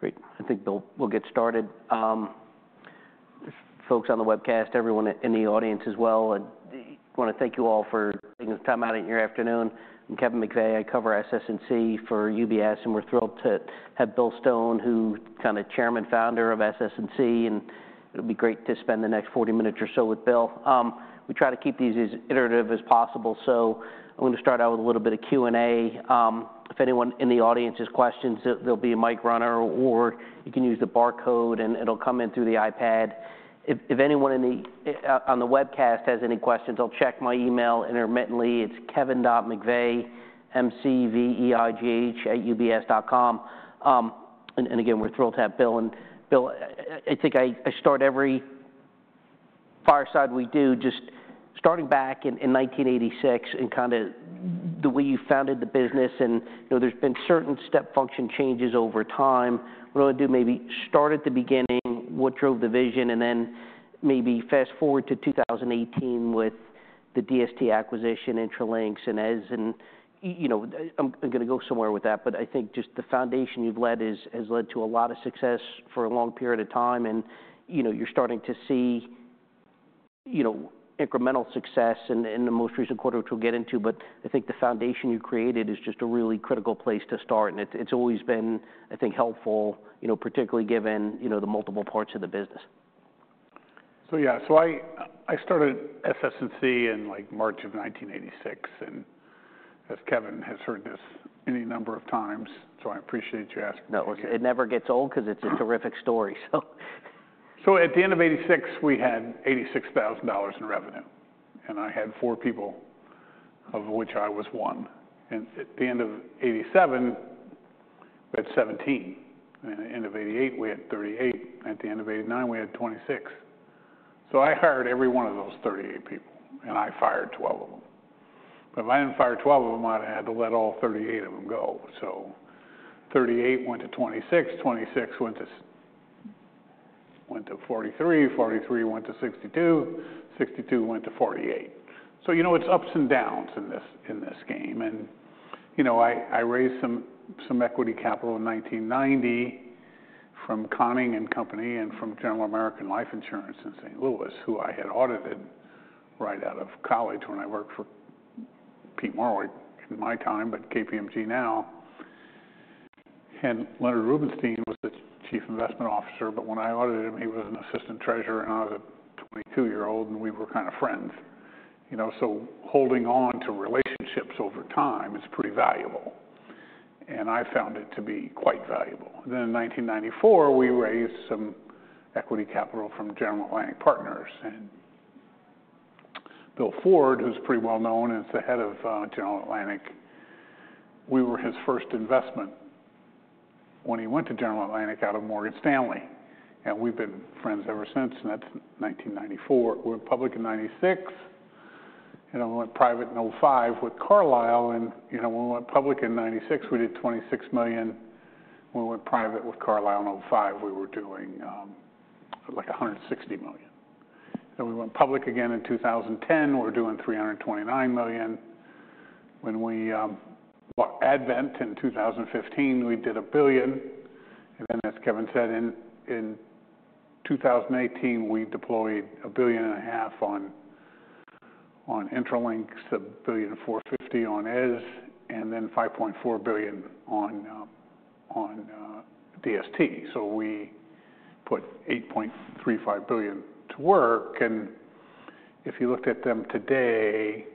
Great. I think we'll get started. Folks on the webcast, everyone in the audience as well, I want to thank you all for taking the time out of your afternoon. I'm Kevin McVeigh. I cover SS&C for UBS, and we're thrilled to have Bill Stone, who's kind of chairman-founder of SS&C, and it'll be great to spend the next 40 minutes or so with Bill. We try to keep these as iterative as possible, so I'm going to start out with a little bit of Q&A. If anyone in the audience has questions, there'll be a mic runner, or you can use the barcode, and it'll come in through the iPad. If anyone on the webcast has any questions, I'll check my email intermittently. It's kevin.mcveigh, M-C-V-E-I-G-H, at ubs.com, and again, we're thrilled to have Bill. And Bill, I think I start every fireside we do just starting back in 1986 and kind of the way you founded the business. And there's been certain step function changes over time. What I want to do maybe start at the beginning, what drove the vision, and then maybe fast forward to 2018 with the DST acquisition, Intralinks, and Eze, and I'm going to go somewhere with that. But I think just the foundation you've led has led to a lot of success for a long period of time, and you're starting to see incremental success in the most recent quarter, which we'll get into. But I think the foundation you created is just a really critical place to start, and it's always been, I think, helpful, particularly given the multiple parts of the business. So yeah, so I started SS&C in March of 1986, and as Kevin has heard this any number of times, so I appreciate you asking. No, it never gets old because it's a terrific story. So at the end of 1986, we had $86,000 in revenue, and I had four people, of which I was one. And at the end of 1987, we had 17. At the end of 1988, we had 38. At the end of 1989, we had 26. So I hired every one of those 38 people, and I fired 12 of them. But if I didn't fire 12 of them, I'd have had to let all 38 of them go. So 38 went to 26, 26 went to 43, 43 went to 62, 62 went to 48. So you know it's ups and downs in this game. And I raised some equity capital in 1990 from Conning & Company and from General American Life Insurance in St. Louis, who I had audited right out of college when I worked for Peat Marwick in my time, but KPMG now. Leonard Rubenstein was the chief investment officer, but when I audited him, he was an assistant treasurer, and I was a 22-year-old, and we were kind of friends. Holding on to relationships over time is pretty valuable, and I found it to be quite valuable. In 1994, we raised some equity capital from General Atlantic. Bill Ford, who's pretty well known as the head of General Atlantic, we were his first investment when he went to General Atlantic out of Morgan Stanley. We've been friends ever since, and that's 1994. We went public in 1996, and then we went private in 2005 with Carlyle. When we went public in 1996, we did $26 million. When we went private with Carlyle in 2005, we were doing like $160 million. We went public again in 2010. We were doing $329 million. When we bought Advent in 2015, we did $1 billion. And then, as Kevin said, in 2018, we deployed $1.5 billion on Intralinks, $1.45 billion on ES, and then $5.4 billion on DST. So we put $8.35 billion to work. And if you looked at them today,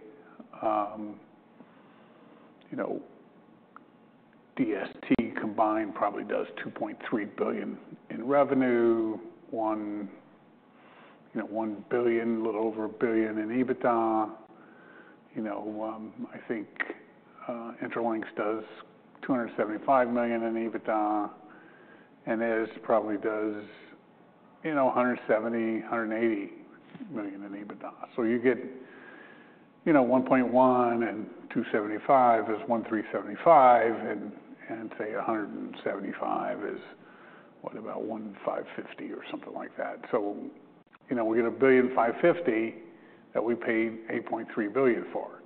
DST combined probably does $2.3 billion in revenue, $1 billion, a little over $1 billion in EBITDA. I think Intralinks does $275 million in EBITDA, and ES probably does $170-$180 million in EBITDA. So you get $1.1 billion and $275 million is $1.375 billion, and say $175 million is, what, about $1.55 billion or something like that. So we get $1.55 billion that we paid $8.3 billion for.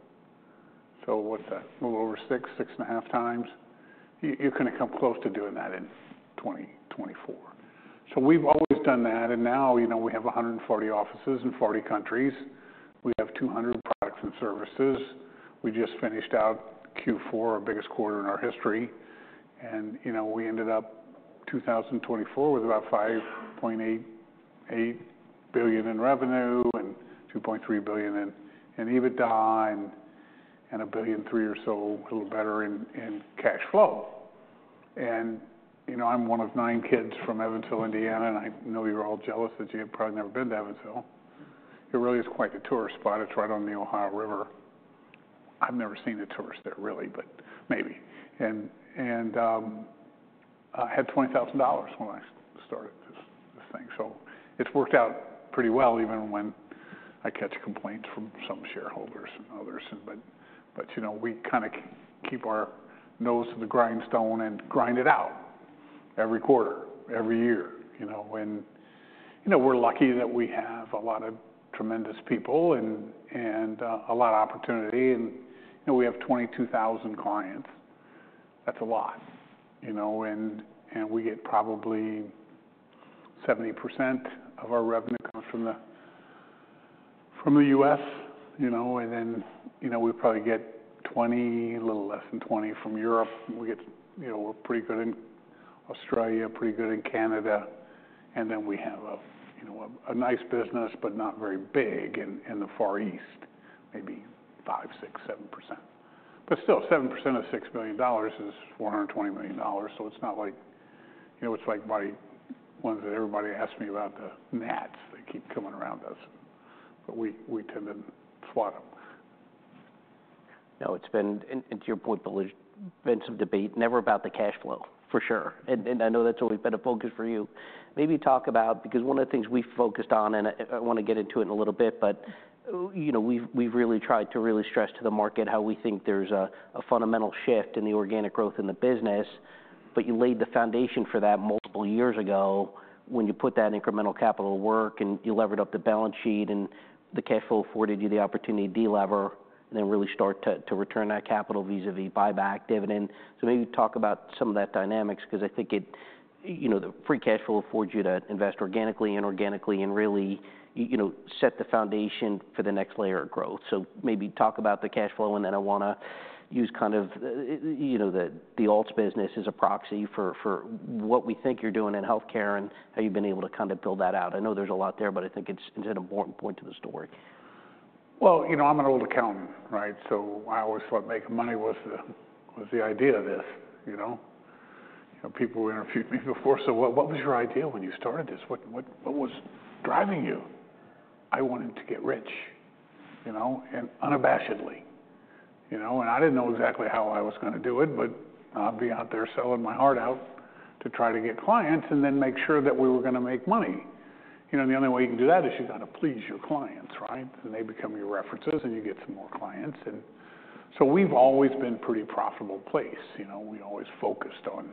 So what's that? A little over six, six and a half times. You're going to come close to doing that in 2024. We've always done that, and now we have 140 offices in 40 countries. We have 200 products and services. We just finished out Q4, our biggest quarter in our history. We ended up 2024 with about $5.8 billion in revenue and $2.3 billion in EBITDA and $1.3 billion or so, a little better, in cash flow. I'm one of nine kids from Evansville, Indiana, and I know you're all jealous that you have probably never been to Evansville. It really is quite the tourist spot. It's right on the Ohio River. I've never seen a tourist there, really, but maybe. I had $20,000 when I started this thing. It's worked out pretty well even when I catch complaints from some shareholders and others. We kind of keep our nose to the grindstone and grind it out every quarter, every year. We're lucky that we have a lot of tremendous people and a lot of opportunity. We have 22,000 clients. That's a lot. We get probably 70% of our revenue from the US. Then we probably get 20%, a little less than 20%, from Europe. We're pretty good in Australia, pretty good in Canada. Then we have a nice business, but not very big in the Far East, maybe 5%-7%. But still, 7% of $6 billion is $420 million. So it's not like the minor ones that everybody asks me about, the gnats that keep coming around us. But we tend to swat them. Now, it's been, and to your point, Bill, there's been some debate, never about the cash flow, for sure. And I know that's always been a focus for you. Maybe talk about, because one of the things we've focused on, and I want to get into it in a little bit, but we've really tried to really stress to the market how we think there's a fundamental shift in the organic growth in the business. But you laid the foundation for that multiple years ago when you put that incremental capital to work, and you levered up the balance sheet, and the cash flow afforded you the opportunity to delever and then really start to return that capital vis-à-vis buyback dividend. So maybe talk about some of that dynamics, because I think the free cash flow affords you to invest organically, inorganically, and really set the foundation for the next layer of growth. So maybe talk about the cash flow, and then I want to use kind of the alts business as a proxy for what we think you're doing in healthcare and how you've been able to kind of build that out. I know there's a lot there, but I think it's an important point to the story. Well, I'm an old accountant, right? So I always thought making money was the idea of this. People interviewed me before. So what was your idea when you started this? What was driving you? I wanted to get rich and unabashedly. And I didn't know exactly how I was going to do it, but I'd be out there selling my heart out to try to get clients and then make sure that we were going to make money. The only way you can do that is you got to please your clients, right? And they become your references, and you get some more clients. And so we've always been a pretty profitable place. We always focused on,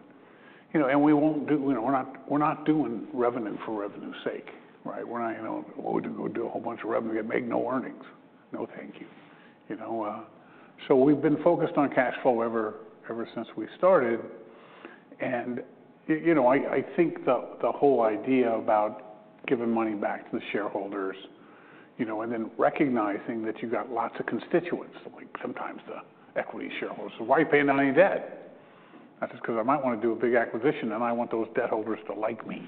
and we won't do, we're not doing revenue for revenue's sake, right? We're not, what would you do, do a whole bunch of revenue and make no earnings? No, thank you. We've been focused on cash flow ever since we started. I think the whole idea about giving money back to the shareholders and then recognizing that you've got lots of constituents, like sometimes the equity shareholders, why are you paying down any debt? That's just because I might want to do a big acquisition, and I want those debt holders to like me,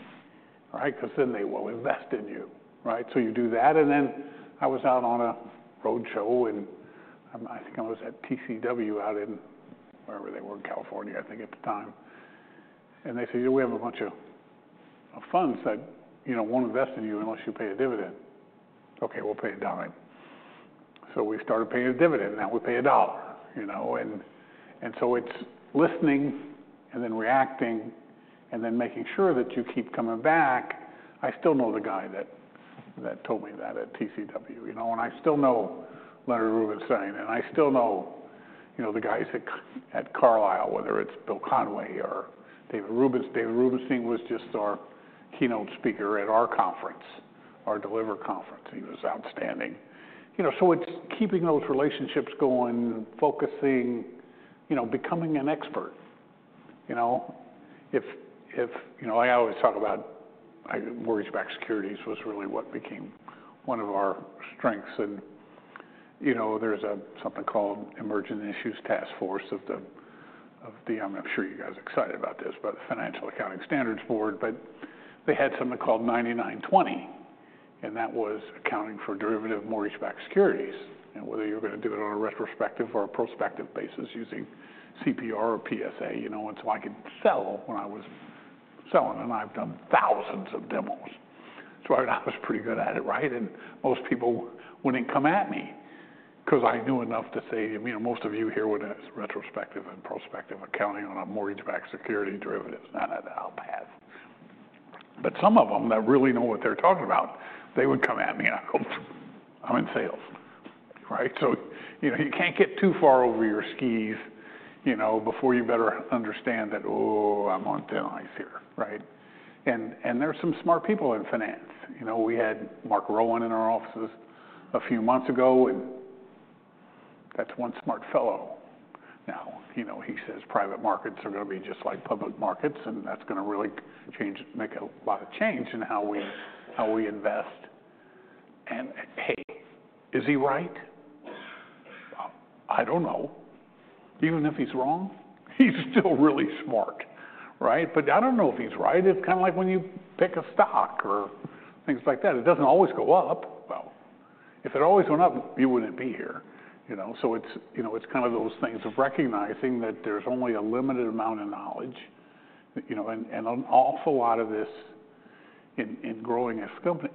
right? Because then they will invest in you, right? So you do that. I was out on a roadshow, and I think I was at TCW out in wherever they were in California, I think at the time. They said, we have a bunch of funds that won't invest in you unless you pay a dividend. Okay, we'll pay $0.10. We started paying a dividend, and now we pay $1. And so it's listening and then reacting and then making sure that you keep coming back. I still know the guy that told me that at TCW, and I still know Leonard Rubenstein, and I still know the guys at Carlyle, whether it's Bill Conway or David Rubenstein. David Rubenstein was just our keynote speaker at our conference, our Deliver conference. He was outstanding. So it's keeping those relationships going, focusing, becoming an expert. I always talk about mortgage-backed securities was really what became one of our strengths. And there's something called Emerging Issues Task Force of the. I'm sure you guys are excited about this, but the Financial Accounting Standards Board. But they had something called 99-20, and that was accounting for derivative mortgage-backed securities, and whether you're going to do it on a retrospective or a prospective basis using CPR or PSA. And so I could sell when I was selling, and I've done thousands of demos. So I was pretty good at it, right? And most people wouldn't come at me because I knew enough to say, most of you here wouldn't have retrospective and prospective accounting on a mortgage-backed security derivatives. None of that I'll pass. But some of them that really know what they're talking about, they would come at me, and I'm in sales, right? So you can't get too far over your skis before you better understand that, oh, I'm on thin ice here, right? And there's some smart people in finance. We had Mark Rowan in our offices a few months ago, and that's one smart fellow now. He says private markets are going to be just like public markets, and that's going to really change, make a lot of change in how we invest. And hey, is he right? I don't know. Even if he's wrong, he's still really smart, right? But I don't know if he's right. It's kind of like when you pick a stock or things like that. It doesn't always go up. Well, if it always went up, you wouldn't be here. So it's kind of those things of recognizing that there's only a limited amount of knowledge. And an awful lot of this in growing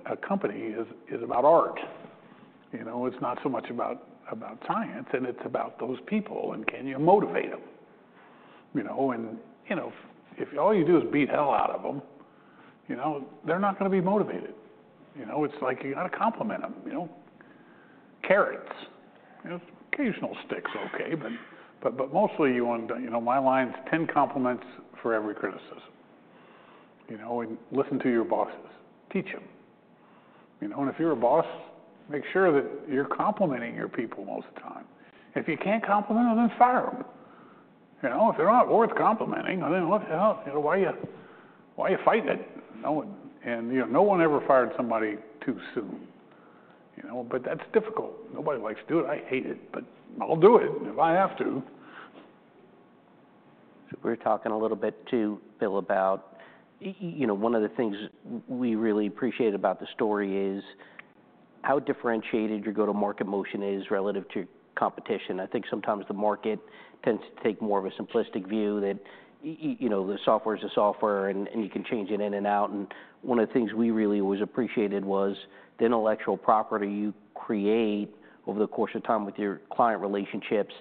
a company is about art. It's not so much about science, and it's about those people, and can you motivate them? And if all you do is beat hell out of them, they're not going to be motivated. It's like you got to compliment them. Carrots, occasional sticks, okay, but mostly you want to, my line's 10 compliments for every criticism. And listen to your bosses. Teach them. And if you're a boss, make sure that you're complimenting your people most of the time. If you can't compliment them, then fire them. If they're not worth complimenting, then why are you fighting it? And no one ever fired somebody too soon. But that's difficult. Nobody likes to do it. I hate it, but I'll do it if I have to. We were talking a little bit too, Bill, about one of the things we really appreciate about the story is how differentiated your go-to-market motion is relative to competition. I think sometimes the market tends to take more of a simplistic view that the software is a software and you can change it in and out. And one of the things we really always appreciated was the intellectual property you create over the course of time with your client relationships.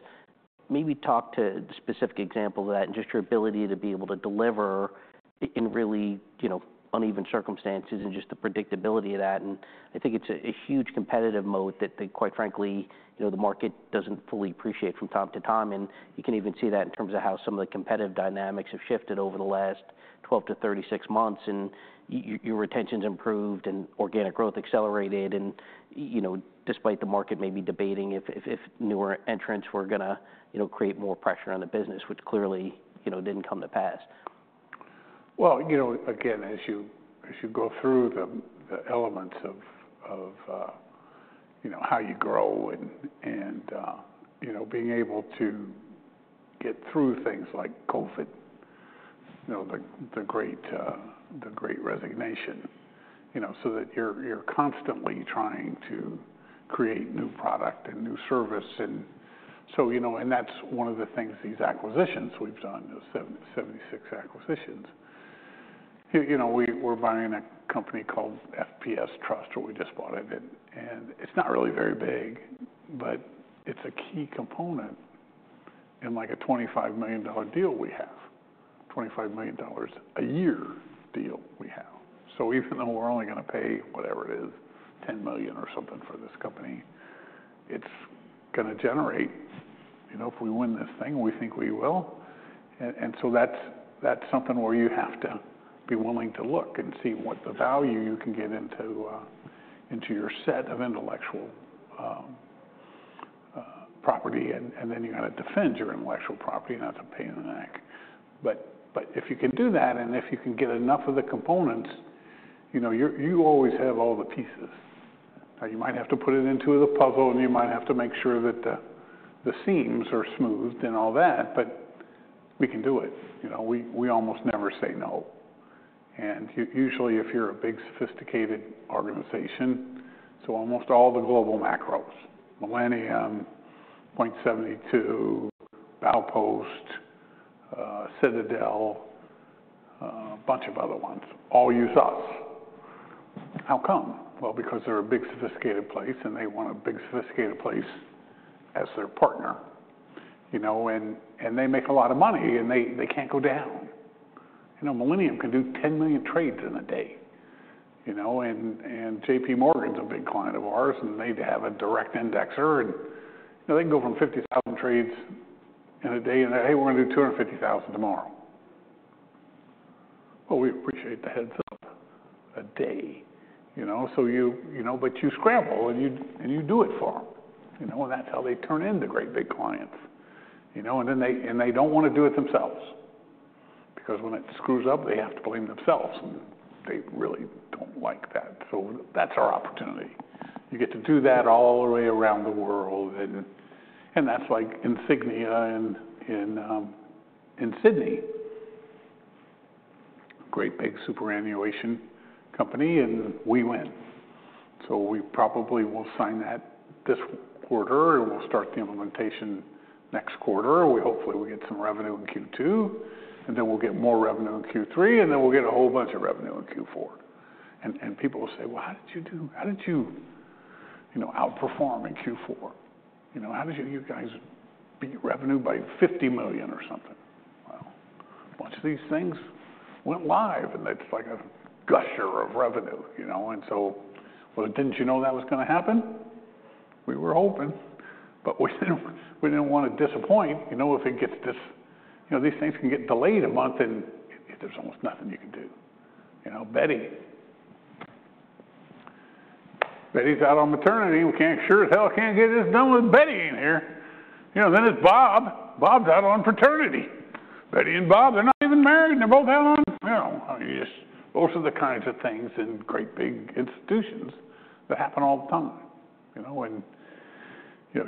Maybe talk to the specific example of that and just your ability to be able to deliver in really uneven circumstances and just the predictability of that. And I think it's a huge competitive mode that, quite frankly, the market doesn't fully appreciate from time to time. You can even see that in terms of how some of the competitive dynamics have shifted over the last 12-36 months. Your retention's improved, and organic growth accelerated. Despite the market maybe debating if newer entrants were going to create more pressure on the business, which clearly didn't come to pass. Again, as you go through the elements of how you grow and being able to get through things like COVID, the great resignation, so that you're constantly trying to create new product and new service. That's one of the things, these acquisitions we've done, 76 acquisitions. We're buying a company called FPS Trust, or we just bought it. It's not really very big, but it's a key component in like a $25 million deal we have, $25 million a year deal we have. Even though we're only going to pay whatever it is, $10 million or something for this company, it's going to generate if we win this thing, we think we will. That's something where you have to be willing to look and see what the value you can get into your set of intellectual property. Then you got to defend your intellectual property, and that's a pain in the neck. But if you can do that and if you can get enough of the components, you always have all the pieces. Now, you might have to put it into the puzzle, and you might have to make sure that the seams are smoothed and all that, but we can do it. We almost never say no. And usually, if you're a big sophisticated organization, it's almost all the global macros, Millennium, Point72, Baupost, Citadel, a bunch of other ones, all use us. How come? Well, because they're a big sophisticated place, and they want a big sophisticated place as their partner. And they make a lot of money, and they can't go down. Millennium can do 10 million trades in a day. And JP Morgan's a big client of ours, and they have a direct indexer. And they can go from 50,000 trades in a day and say, "Hey, we're going to do 250,000 tomorrow." Well, we appreciate the heads-up a day. But you scramble, and you do it for them. And that's how they turn in the great big clients. And they don't want to do it themselves. Because when it screws up, they have to blame themselves. And they really don't like that. So that's our opportunity. You get to do that all the way around the world. And that's like Insignia in Sydney, great big superannuation company, and we win. So we probably will sign that this quarter, and we'll start the implementation next quarter. Hopefully, we'll get some revenue in Q2, and then we'll get more revenue in Q3, and then we'll get a whole bunch of revenue in Q4. And people will say, "Well, how did you do? How did you outperform in Q4? How did you guys beat revenue by $50 million or something?" Well, a bunch of these things went live, and that's like a gusher of revenue. And so, well, didn't you know that was going to happen? We were hoping, but we didn't want to disappoint. If it gets this, these things can get delayed a month, and there's almost nothing you can do. Betty. Betty's out on maternity. We sure as hell can't get this done with Betty in here. Then it's Bob. Bob's out on paternity. Betty and Bob, they're not even married. They're both out on, you know, most of the kinds of things in great big institutions that happen all the time. And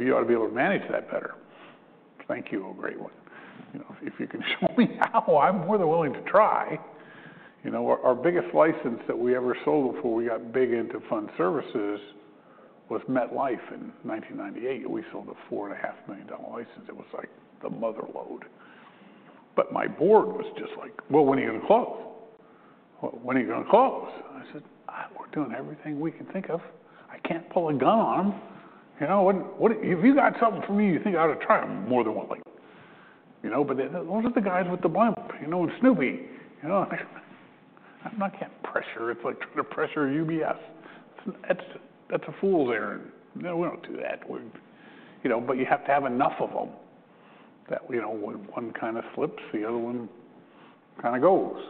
you ought to be able to manage that better. Thank you, a great one. If you can show me how, I'm more than willing to try. Our biggest license that we ever sold before we got big into fund services was MetLife in 1998. We sold a $4.5 million license. It was like the mother lode. But my board was just like, "Well, when are you going to close? When are you going to close?" I said, "We're doing everything we can think of. I can't pull a gun on them. If you got something for me, you think I ought to try it more than one thing." But those are the guys with the blimp and Snoopy. I'm not getting pressure. It's like trying to pressure UBS. That's a fool's errand. We don't do that. But you have to have enough of them that when one kind of slips, the other one kind of goes.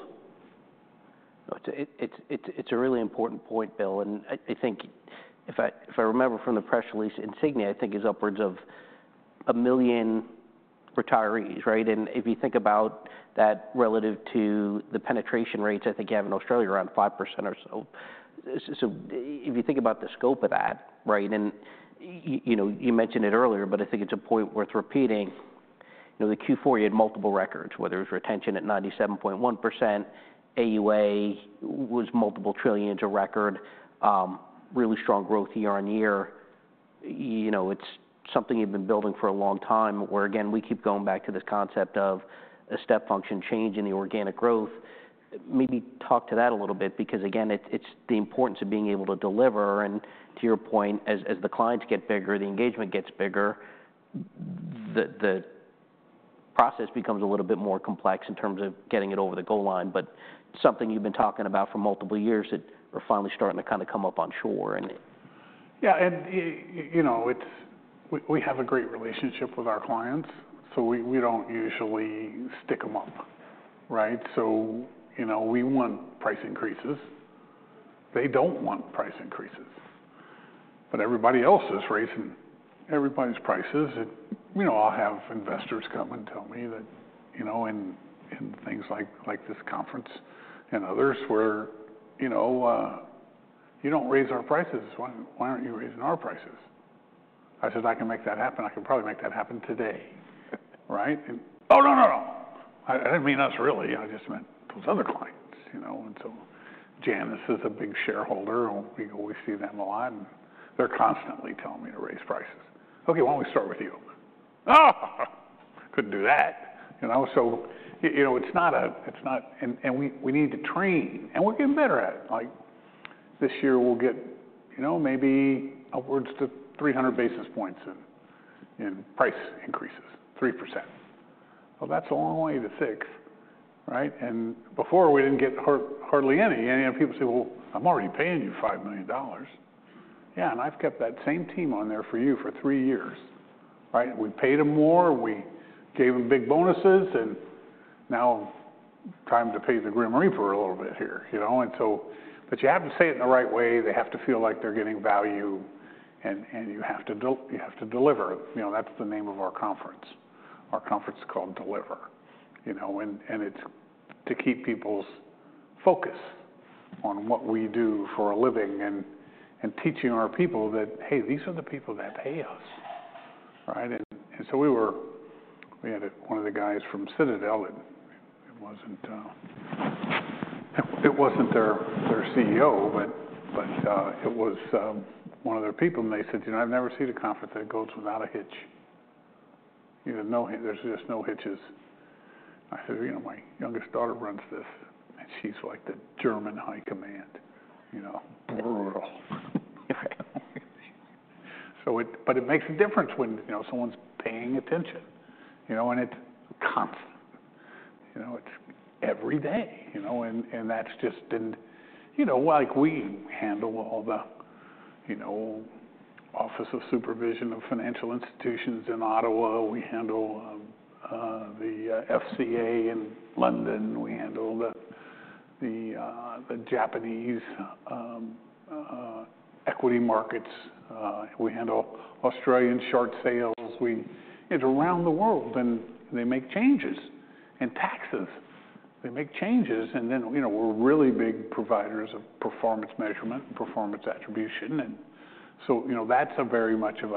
It's a really important point, Bill. And I think if I remember from the press release, Insignia, I think is upwards of a million retirees, right? And if you think about that relative to the penetration rates, I think you have in Australia around 5% or so. So if you think about the scope of that, right? And you mentioned it earlier, but I think it's a point worth repeating. The Q4, you had multiple records, whether it was retention at 97.1%, AUA was multiple trillions of record, really strong growth year on year. It's something you've been building for a long time where, again, we keep going back to this concept of a step function change in the organic growth. Maybe talk to that a little bit because, again, it's the importance of being able to deliver. To your point, as the clients get bigger, the engagement gets bigger, the process becomes a little bit more complex in terms of getting it over the goal line. Something you've been talking about for multiple years that we're finally starting to kind of come up on shore. Yeah, and we have a great relationship with our clients, so we don't usually stick them up, right? So we want price increases. They don't want price increases. But everybody else is raising everybody's prices. I'll have investors come and tell me that in things like this conference and others where you don't raise our prices, why aren't you raising our prices? I said, "I can make that happen. I can probably make that happen today," right? Oh, no, no, no. I didn't mean us really. I just meant those other clients. And so Janus is a big shareholder. We see them a lot. And they're constantly telling me to raise prices. Okay, why don't we start with you? Oh, couldn't do that. So it's not a, and we need to train, and we're getting better at it. This year, we'll get maybe upwards to 300 basis points in price increases, 3%. Well, that's a long way to six, right? And before, we didn't get hardly any. And people say, "Well, I'm already paying you $5 million." Yeah, and I've kept that same team on there for you for three years, right? We paid them more. We gave them big bonuses. And now, time to pay the grim reaper a little bit here. But you have to say it in the right way. They have to feel like they're getting value, and you have to deliver. That's the name of our conference. Our conference is called Deliver. And it's to keep people's focus on what we do for a living and teaching our people that, hey, these are the people that pay us, right? And so we had one of the guys from Citadel. It wasn't their CEO, but it was one of their people. And they said, "I've never seen a conference that goes without a hitch. There's just no hitches." I said, "My youngest daughter runs this, and she's like the German high command." But it makes a difference when someone's paying attention. And it's constant. It's every day. And that's just, and like we handle all the Office of the Superintendent of Financial Institutions in Ottawa. We handle the FCA in London. We handle the Japanese equity markets. We handle Australian short sales. It's around the world, and they make changes. And taxes, they make changes. And then we're really big providers of performance measurement and performance attribution. And so that's very much of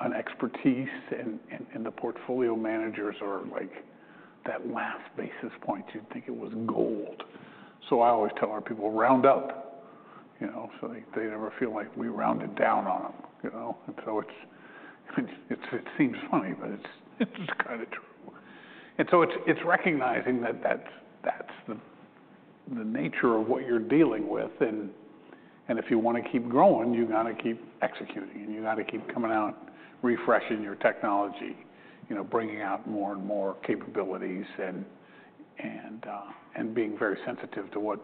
an expertise. And the portfolio managers are like that last basis point. You'd think it was gold. So I always tell our people, "Round up." So they never feel like we rounded down on them. And so it seems funny, but it's kind of true. And so it's recognizing that that's the nature of what you're dealing with. And if you want to keep growing, you got to keep executing. And you got to keep coming out, refreshing your technology, bringing out more and more capabilities, and being very sensitive to what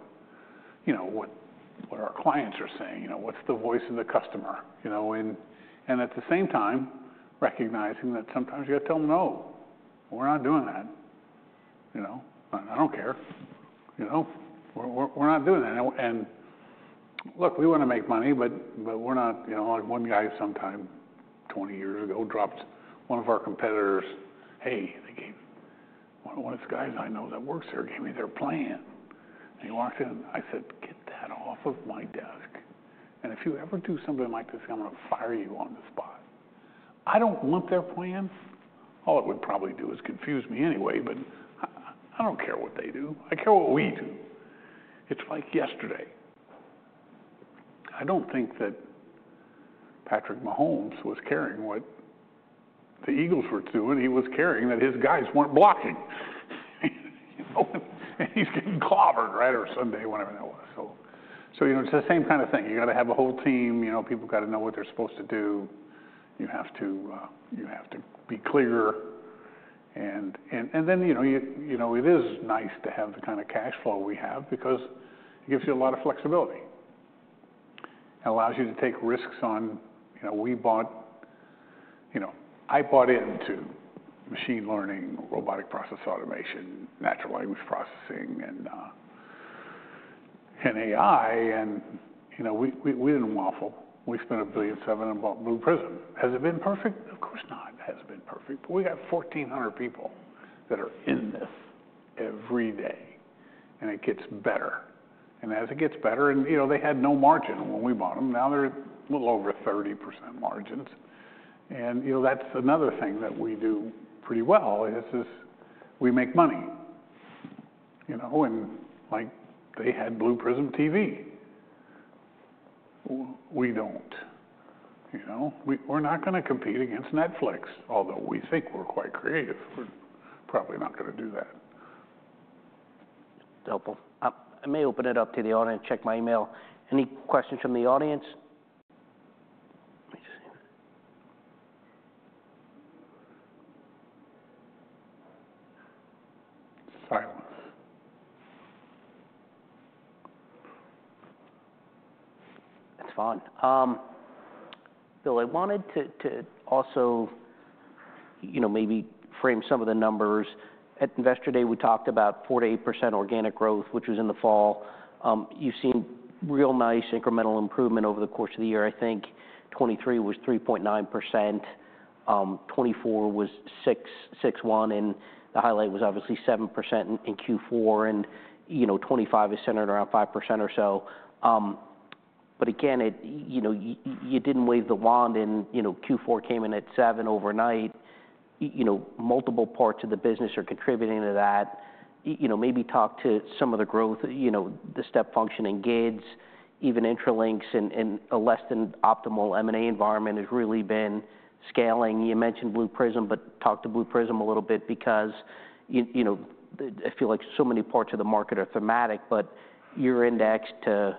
our clients are saying. What's the voice of the customer? And at the same time, recognizing that sometimes you got to tell them, "No, we're not doing that. I don't care. We're not doing that." And look, we want to make money, but we're not. One guy sometime 20 years ago dropped one of our competitors. Hey, one of the guys I know that works there gave me their plan. And he walked in. I said, "Get that off of my desk. And if you ever do something like this, I'm going to fire you on the spot." I don't want their plans. All it would probably do is confuse me anyway, but I don't care what they do. I care what we do. It's like yesterday. I don't think that Patrick Mahomes was caring what the Eagles were doing. He was caring that his guys weren't blocking, and he's getting clobbered, right, or Sunday, whatever that was. It's the same kind of thing. You got to have a whole team. People got to know what they're supposed to do. You have to be clear. And then it is nice to have the kind of cash flow we have because it gives you a lot of flexibility. It allows you to take risks on. I bought into machine learning, robotic process automation, natural language processing, and AI, and we didn't waffle. We spent $1.7 billion and bought Blue Prism. Has it been perfect? Of course not. It hasn't been perfect, but we have 1,400 people that are in this every day, and it gets better. As it gets better, they had no margin when we bought them. Now they're a little over 30% margins, and that's another thing that we do pretty well is we make money. They had Blue Prism TV. We don't. We're not going to compete against Netflix, although we think we're quite creative. We're probably not going to do that. Helpful. I may open it up to the audience and check my email. Any questions from the audience? Let me see. Silence. That's fine. Bill, I wanted to also maybe frame some of the numbers. At Investor Day, we talked about 4%-8% organic growth, which was in the fall. You've seen real nice incremental improvement over the course of the year. I think 2023 was 3.9%. 2024 was 6.1%, and the highlight was obviously 7% in Q4. And 2025 is centered around 5% or so. But again, you didn't wave the wand, and Q4 came in at 7% overnight. Multiple parts of the business are contributing to that. Maybe talk to some of the growth, the step-functioning gids, even Intralinks, and a less than optimal M&A environment has really been scaling. You mentioned Blue Prism, but talk to Blue Prism a little bit because I feel like so many parts of the market are thematic, but you're indexed to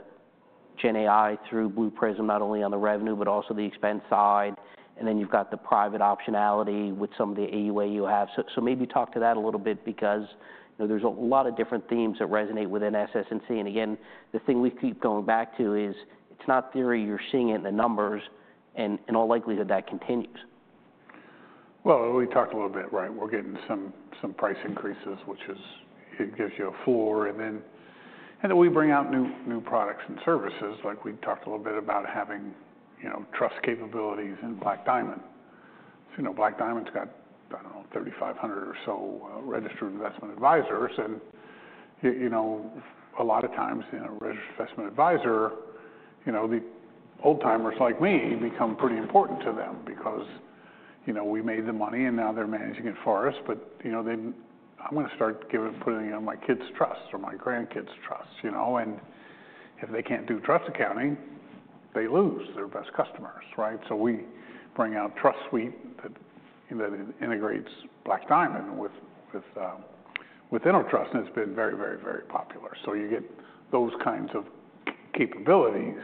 GenAI through Blue Prism, not only on the revenue, but also the expense side. And then you've got the private optionality with some of the AUA you have. So maybe talk to that a little bit because there's a lot of different themes that resonate within SS&C. And again, the thing we keep going back to is it's not theory. You're seeing it in the numbers, and in all likelihood, that continues. Well, we talked a little bit, right? We're getting some price increases, which gives you a floor. And then we bring out new products and services. Like we talked a little bit about having trust capabilities in Black Diamond. Black Diamond's got, I don't know, 3,500 or so registered investment advisors. And a lot of times, a registered investment advisor, the old-timers like me become pretty important to them because we made the money, and now they're managing it for us. But I'm going to start putting it on my kids' trusts or my grandkids' trusts. And if they can't do trust accounting, they lose their best customers, right? So we bring out TrustSuite that integrates Black Diamond with Intertrust, and it's been very, very, very popular. So you get those kinds of capabilities.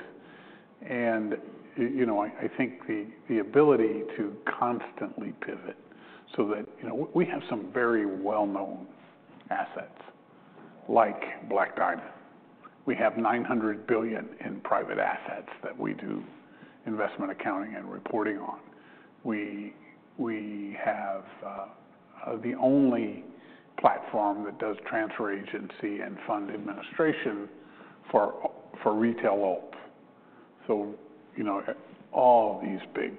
I think the ability to constantly pivot so that we have some very well-known assets like Black Diamond. We have $900 billion in private assets that we do investment accounting and reporting on. We have the only platform that does transfer agency and fund administration for retail bulk. All of these big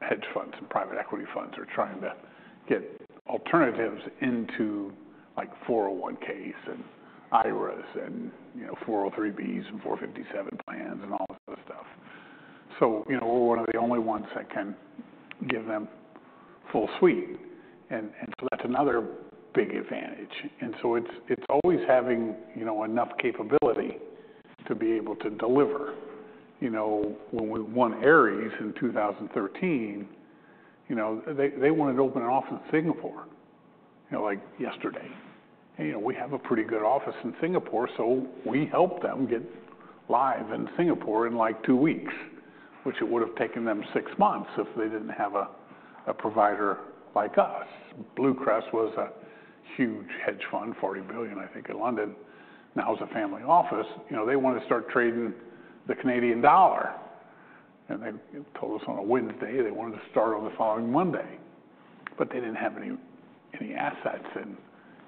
hedge funds and private equity funds are trying to get alternatives into like 401(k)s and IRAs and 403(b)s and 457 plans and all this other stuff. We're one of the only ones that can give them full suite. That's another big advantage. It's always having enough capability to be able to deliver. When we won Ares in 2013, they wanted to open an office in Singapore like yesterday. We have a pretty good office in Singapore, so we helped them get live in Singapore in like two weeks, which it would have taken them six months if they didn't have a provider like us. BlueCrest was a huge hedge fund, $40 billion, I think, in London. Now it's a family office. They wanted to start trading the Canadian dollar, and they told us on a Wednesday they wanted to start on the following Monday, but they didn't have any assets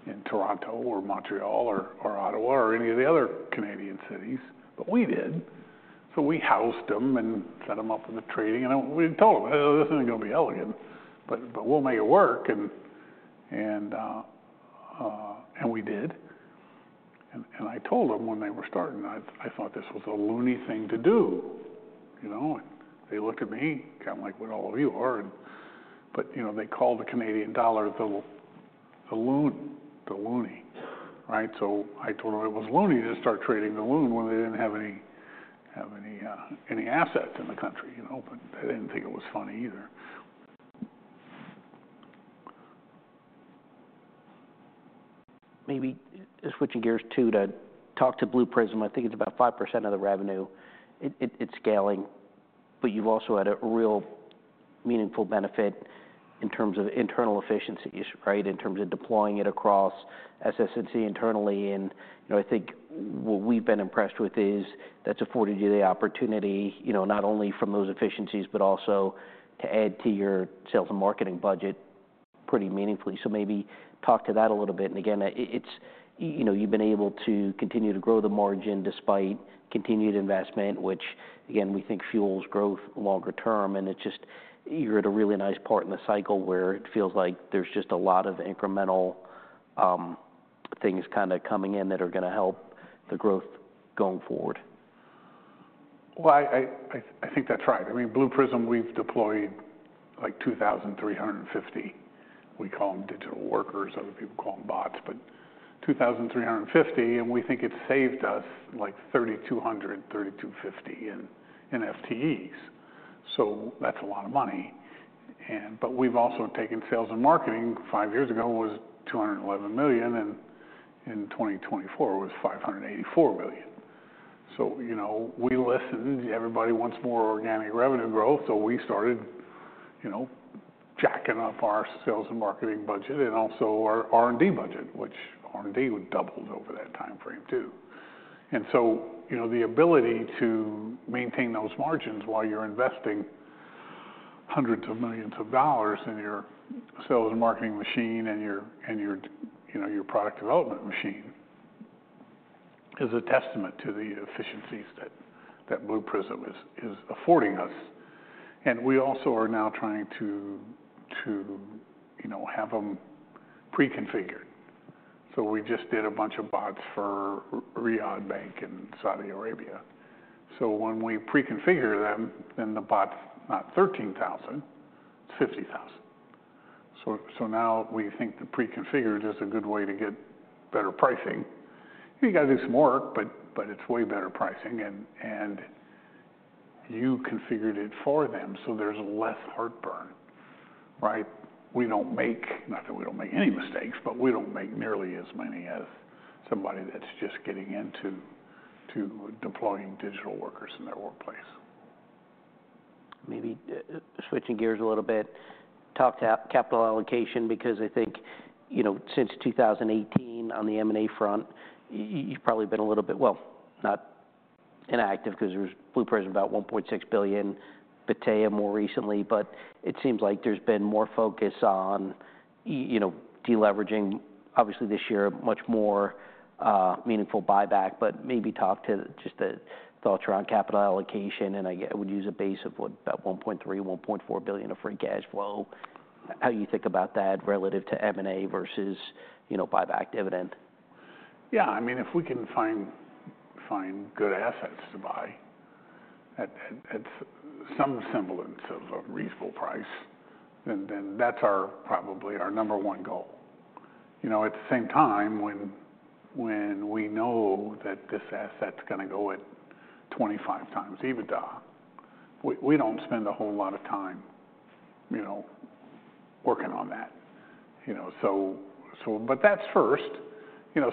in Toronto or Montreal or Ottawa or any of the other Canadian cities, but we did. So we housed them and set them up with the trading, and we told them, "This isn't going to be elegant, but we'll make it work," and we did, and I told them when they were starting, I thought this was a loony thing to do. They looked at me kind of like what all of you are. But they called the Canadian dollar the loon, the loonie, right? So I told them it was loony to start trading the loon when they didn't have any assets in the country. But they didn't think it was funny either. Maybe switching gears too to talk to Blue Prism. I think it's about 5% of the revenue. It's scaling. But you've also had a real meaningful benefit in terms of internal efficiencies, right, in terms of deploying it across SS&C internally. And I think what we've been impressed with is that's afforded you the opportunity not only from those efficiencies, but also to add to your sales and marketing budget pretty meaningfully. So maybe talk to that a little bit. And again, you've been able to continue to grow the margin despite continued investment, which, again, we think fuels growth longer term. And it's just you're at a really nice part in the cycle where it feels like there's just a lot of incremental things kind of coming in that are going to help the growth going forward. I think that's right. I mean, Blue Prism, we've deployed like 2,350. We call them digital workers. Other people call them bots, but 2,350. We think it's saved us like 3,200-3,250 in FTEs. That's a lot of money. We've also taken sales and marketing. Five years ago, it was $211 million. In 2024, it was $584 million. We listened. Everybody wants more organic revenue growth. We started jacking up our sales and marketing budget and also our R&D budget, which R&D doubled over that time frame too. The ability to maintain those margins while you're investing hundreds of millions of dollars in your sales and marketing machine and your product development machine is a testament to the efficiencies that Blue Prism is affording us. We also are now trying to have them pre-configured. We just did a bunch of bots for Riyad Bank in Saudi Arabia. When we pre-configure them, then the bot's not $13,000. It's $50,000. Now we think the pre-configured is a good way to get better pricing. You got to do some work, but it's way better pricing. And you configured it for them, so there's less heartburn, right? We don't make, not that we don't make any mistakes, but we don't make nearly as many as somebody that's just getting into deploying digital workers in their workplace. Maybe switching gears a little bit, talk to capital allocation because I think since 2018 on the M&A front, you've probably been a little bit, well, not inactive because Blue Prism is about $1.6 billion, Battea more recently. But it seems like there's been more focus on deleveraging, obviously this year, much more meaningful buyback. But maybe talk to just the thoughts around capital allocation. And I would use a base of about $1.3 billion-$1.4 billion of free cash flow. How do you think about that relative to M&A versus buyback dividend? Yeah. I mean, if we can find good assets to buy at some semblance of a reasonable price, then that's probably our number one goal. At the same time, when we know that this asset's going to go at 25 times EBITDA, we don't spend a whole lot of time working on that. But that's first.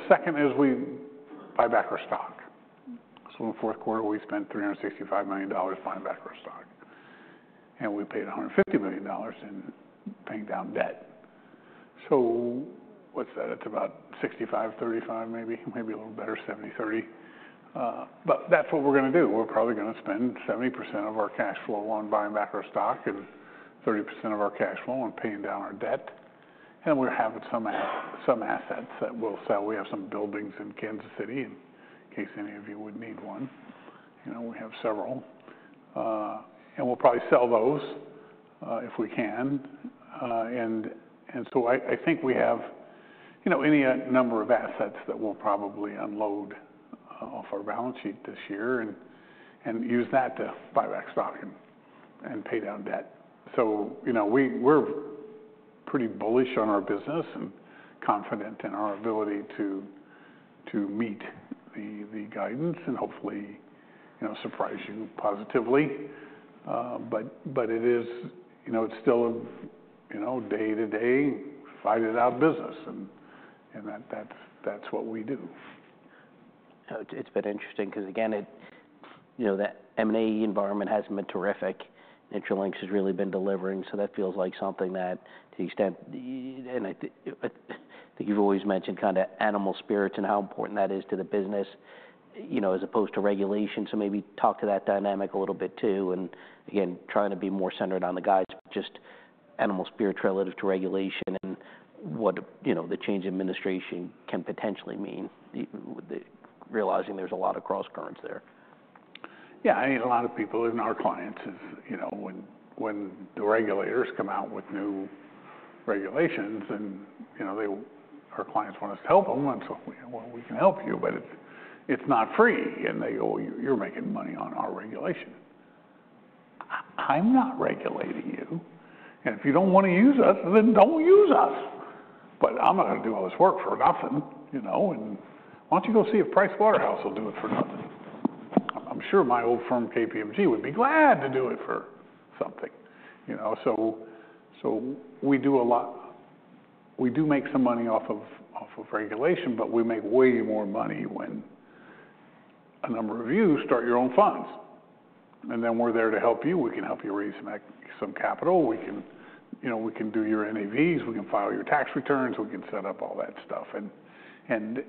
Second is we buy back our stock. So in the fourth quarter, we spent $365 million buying back our stock. And we paid $150 million in paying down debt. So what's that? It's about 65, 35, maybe. Maybe a little better, 70, 30. But that's what we're going to do. We're probably going to spend 70% of our cash flow on buying back our stock and 30% of our cash flow on paying down our debt. And we're having some assets that we'll sell. We have some buildings in Kansas City in case any of you would need one. We have several. And we'll probably sell those if we can. And so I think we have any number of assets that we'll probably unload off our balance sheet this year and use that to buy back stock and pay down debt. So we're pretty bullish on our business and confident in our ability to meet the guidance and hopefully surprise you positively. But it's still a day-to-day fight-it-out business. And that's what we do. It's been interesting because, again, the M&A environment hasn't been terrific. Intralinks has really been delivering. So that feels like something that, to the extent I think you've always mentioned kind of animal spirits and how important that is to the business as opposed to regulation. So maybe talk to that dynamic a little bit too. And again, trying to be more centered on the guides, but just animal spirits relative to regulation and what the change in administration can potentially mean, realizing there's a lot of cross currents there. Yeah. I mean, a lot of people in our clients, when the regulators come out with new regulations, our clients want us to help them. And so we can help you, but it's not free. And they go, "You're making money on our regulation." I'm not regulating you. And if you don't want to use us, then don't use us. But I'm not going to do all this work for nothing. And why don't you go see a PricewaterhouseCoopers? I'll do it for nothing. I'm sure my old firm, KPMG, would be glad to do it for something. So we do make some money off of regulation, but we make way more money when a number of you start your own funds. And then we're there to help you. We can help you raise some capital. We can do your NAVs. We can file your tax returns. We can set up all that stuff. And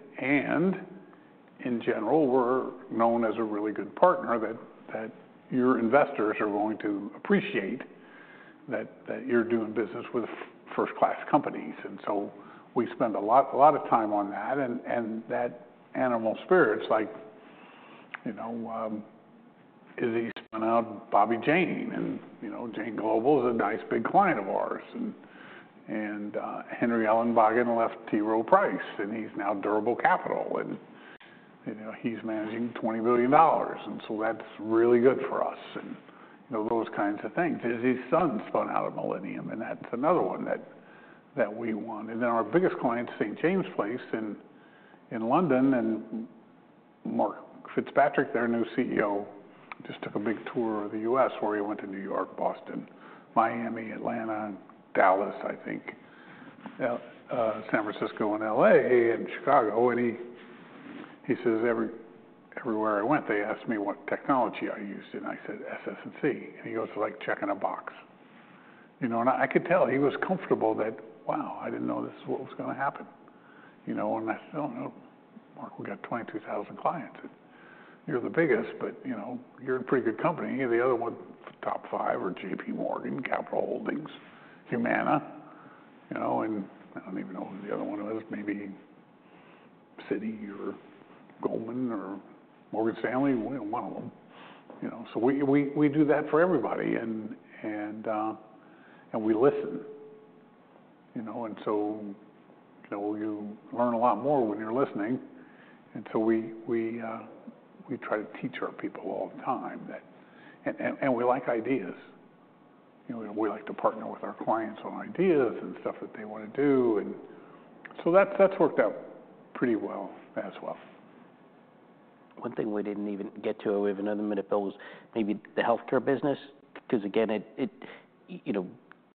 in general, we're known as a really good partner that your investors are going to appreciate that you're doing business with first-class companies. And so we spend a lot of time on that. And that animal spirits, like Izzy spun out Bobby Jain. And Jain Global is a nice big client of ours. And Henry Ellenbogen left T. Rowe Price. And he's now Durable Capital. And he's managing $20 billion. And so that's really good for us. And those kinds of things. Izzy's son spun out of Millennium. And that's another one that we want. And then our biggest client's St. James’s Place in London. And Mark FitzPatrick, their new CEO, just took a big tour of the U.S. where he went to New York, Boston, Miami, Atlanta, Dallas, I think, San Francisco and LA and Chicago. He says, "Everywhere I went, they asked me what technology I used." I said, "SS&C." He goes, "Like checking a box." I could tell he was comfortable that, "Wow, I didn't know this is what was going to happen." I said, "Oh, no. Mark will get 22,000 clients. You're the biggest, but you're in a pretty good company. The other one, top five are JP Morgan, Capital Holdings, Humana. And I don't even know who the other one was. Maybe Citi or Goldman or Morgan Stanley. We don't want them." So we do that for everybody. We listen. You learn a lot more when you're listening. We try to teach our people all the time that. We like ideas. We like to partner with our clients on ideas and stuff that they want to do. That's worked out pretty well as well. One thing we didn't even get to, we have another minute, but it was maybe the healthcare business. Because again, it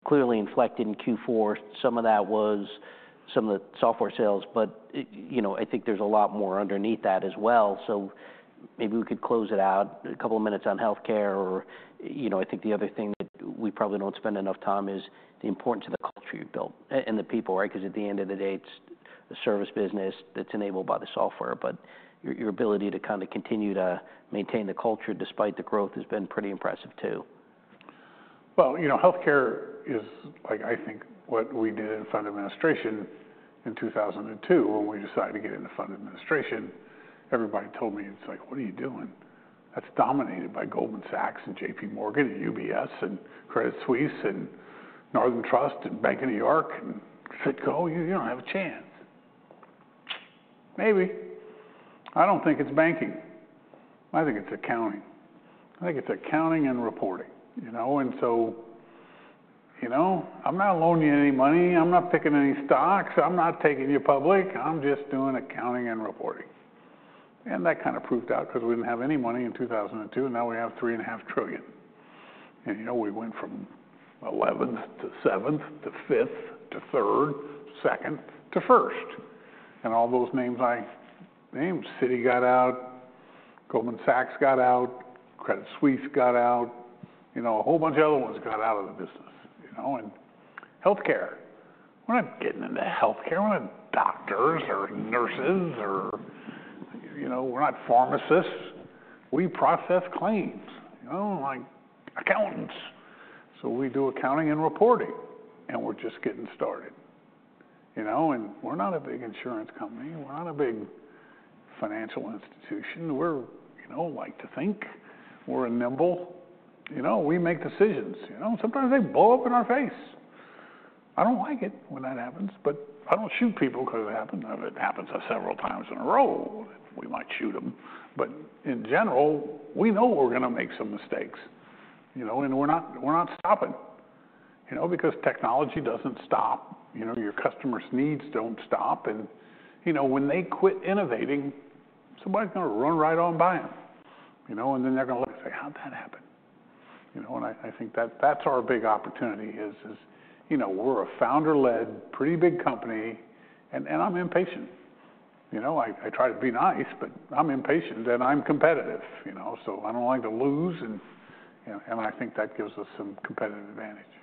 clearly inflected in Q4. Some of that was some of the software sales. But I think there's a lot more underneath that as well. So maybe we could close it out a couple of minutes on healthcare. Or I think the other thing that we probably don't spend enough time on is the importance of the culture you've built and the people, right? Because at the end of the day, it's a service business that's enabled by the software. But your ability to kind of continue to maintain the culture despite the growth has been pretty impressive too. Healthcare is, I think, what we did in fund administration in 2002 when we decided to get into fund administration. Everybody told me, it's like, "What are you doing? That's dominated by Goldman Sachs and JP Morgan and UBS and Credit Suisse and Northern Trust and Bank of New York and Citi. You don't have a chance." Maybe. I don't think it's banking. I think it's accounting. I think it's accounting and reporting. And so I'm not loaning you any money. I'm not picking any stocks. I'm not taking you public. I'm just doing accounting and reporting. And that kind of proved out because we didn't have any money in 2002. And now we have three and a half trillion. And we went from 11th to 7th to 5th to 3rd, 2nd to 1st. And all those names I named, Citi got out, Goldman Sachs got out, Credit Suisse got out. A whole bunch of other ones got out of the business. And healthcare. We're not getting into healthcare. We're not doctors or nurses or we're not pharmacists. We process claims like accountants. So we do accounting and reporting. And we're just getting started. And we're not a big insurance company. We're not a big financial institution. We like to think we're nimble. We make decisions. Sometimes they blow up in our face. I don't like it when that happens. But I don't shoot people because it happened. It happens several times in a row. We might shoot them. But in general, we know we're going to make some mistakes. And we're not stopping. Because technology doesn't stop. Your customers' needs don't stop. When they quit innovating, somebody's going to run right on by them. Then they're going to look and say, "How'd that happen?" I think that's our big opportunity, is we're a founder-led, pretty big company. I'm impatient. I try to be nice, but I'm impatient. I'm competitive. So I don't like to lose. I think that gives us some competitive advantage.